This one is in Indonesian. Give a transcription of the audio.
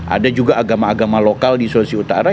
ada juga agama agama lokal di sulawesi utara